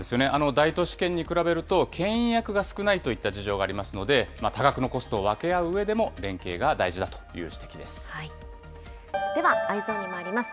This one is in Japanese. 大都市圏に比べると、けん引役が少ないといった事情がありますので、多額のコストを分け合ううえではＥｙｅｓｏｎにまいります。